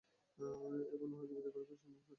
এখন উহাকে বিদায় করিবার জন্য চুনি ছটফট করিতেছে।